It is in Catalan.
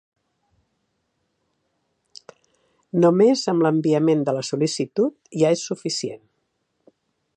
Només amb l'enviament de la sol·licitud ja és suficient.